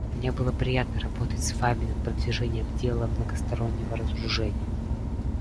Мне было приятно работать с вами над продвижением дела многостороннего разоружения.